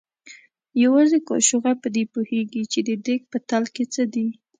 یوازې کاچوغه په دې پوهېږي چې د دیګ په تل کې څه دي.